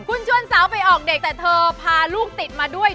คุณชวนสาวไปออกเด็กแต่เธอพาลูกติดมาด้วย